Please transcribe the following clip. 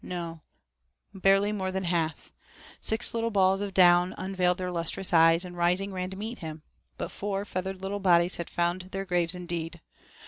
No, barely more than half; six little balls of down unveiled their lustrous eyes, and, rising, ran to meet him, but four feathered little bodies had found their graves indeed.